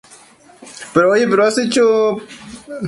Es transmitido desde el Teatro Junín, ubicado en el centro de Caracas.